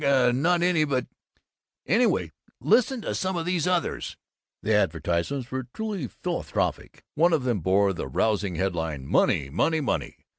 Hunka! Not any! But anyway Listen to some of these others." The advertisements were truly philanthropic. One of them bore the rousing headline: "Money! Money!! Money!!!"